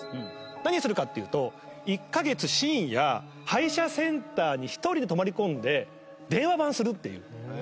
何するかっていうと１カ月深夜配車センターに１人で泊まり込んで電話番するっていう。